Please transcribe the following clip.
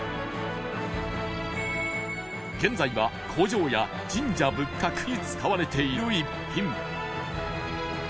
現在は工場や神社仏閣に使われている逸品